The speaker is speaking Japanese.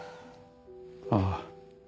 ああ。